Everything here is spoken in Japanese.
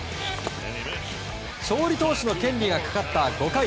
勝利投手の権利がかかった５回。